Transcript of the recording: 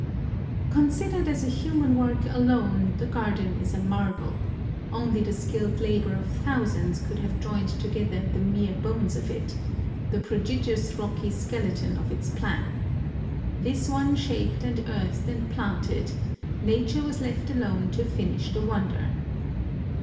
Considered as a human work alone, the garden is a marvel : only the skilled labor of thousands could have joined together the mere bones of it, the prodigious rocky skeleton of its plan. This once shaped and earthed and planted, Nature was left alone to finish the wonder.